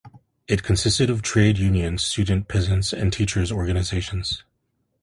It consisted of trade union, student, peasants and teachers organizations.